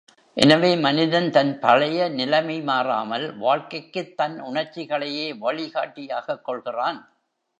எனவே மனிதன், தன் பழைய நிலைமை மாறாமல், வாழ்க்கைக்குத் தன் உணர்ச்சிகளையே வழிகாட்டியாகக் கொள்கிறான்.